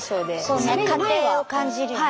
そうね過程を感じるよね。